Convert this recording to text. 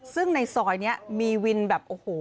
ซึ่งในซอยนี้มีวินแบบ